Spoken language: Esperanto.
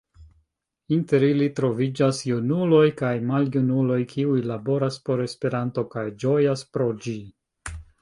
Inter ili troviĝas junuloj kaj maljunuloj, kiuj laboras por Esperanto kaj ĝojas pro ĝi.